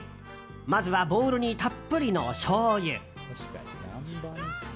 まずはボウルにたっぷりのしょうゆ。